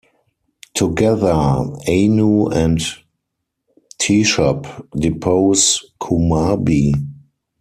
Together, Anu and Teshub depose Kumarbi.